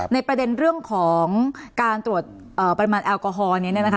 ในประเด็นเรื่องของการตรวจปริมาณแอลกอฮอล